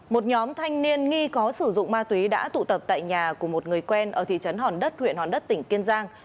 một nhóm thanh niên nghi có sử dụng ma túy đã tụ tập tại nhà của một người quen ở thị trấn hòn đất huyện hòn đất tỉnh kiên giang